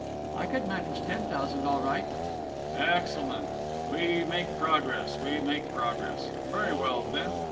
"I could manage ten thousand all right." "Excellent. We make progress, we make progress. Very well, then.